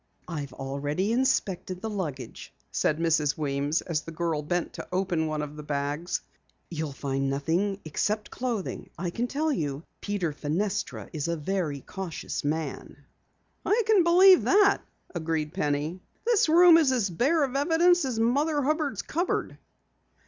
"I've already inspected the luggage," said Mrs. Weems as the girl bent to open one of the bags. "You'll find nothing except clothing. I tell you, Peter Fenestra is a very cautious man." "I can believe it," agreed Penny. "This room is as bare of evidence as Mother Hubbard's cupboard."